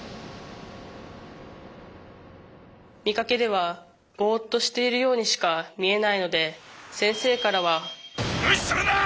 見かけではボッとしているようにしか見えないので先生からは無視するな！